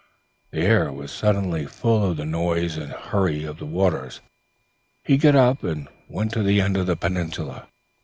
The air was suddenly full of the noise and hurry of the waters. He got up and went to the end of the peninsula.